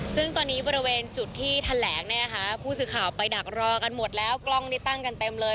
ซึ่งตอนนี้บริเวณจุดที่แถลงเนี่ยนะคะผู้สื่อข่าวไปดักรอกันหมดแล้วกล้องนี้ตั้งกันเต็มเลย